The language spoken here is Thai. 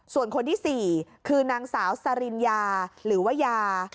ส่วนคนที่๔คือนางสาวสริญญาหรือว่ายา